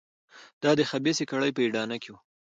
دا د خبیثه کړۍ په اډانه کې وو.